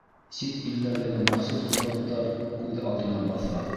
Сит илдәрҙәге махсус хужалыҡтар күҙ алдына баҫа.